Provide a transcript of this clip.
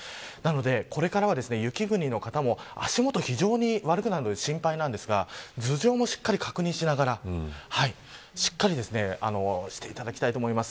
これからは雪国の方も足元、非常に悪くなるので心配なんですが頭上もしっかり確認しながらしっかりしていただきたいと思います。